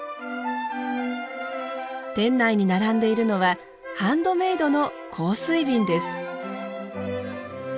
店内に並んでいるのはハンドメードの香水瓶です。